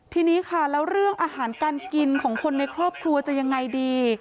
ทีนี้ค่ะแล้วเรื่องอาหารการกินของคนในครอบครัวจะยังไงดี